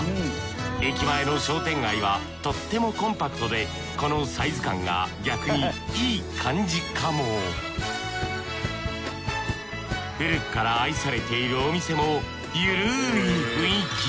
駅前の商店街はとってもコンパクトでこのサイズ感が逆にいい感じかも古くから愛されているお店もゆるい雰囲気。